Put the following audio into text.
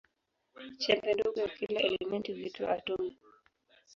Chembe ndogo ya kila elementi huitwa atomu.